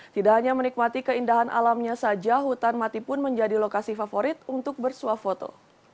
tidak hanya menikmati keindahan alamnya saja hutan mati pun menjadi lokasi favorit untuk bersuah foto